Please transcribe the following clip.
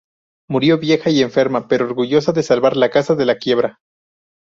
Murió vieja y enferma, pero orgullosa de salvar la casa de la quiebra.